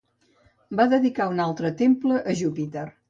Va dedicar un altre temple a Júpiter.